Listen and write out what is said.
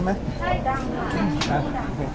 ครับ